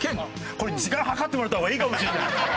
これ時間計ってもらった方がいいかもしれない。